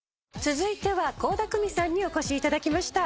続いては倖田來未さんにお越しいただきました。